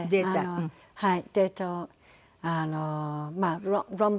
はい。